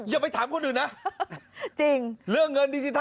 อย่าไปถามคนอื่นนะ